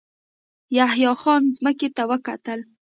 يحيی خان ځمکې ته وکتل.